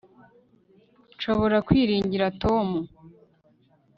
Nshobora kwiringira Tom